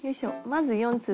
まず４粒。